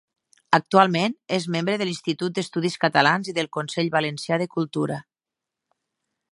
Actualment, és membre de l'Institut d'Estudis Catalans i del Consell Valencià de Cultura.